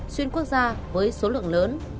xuyên quốc gia với số lượng lớn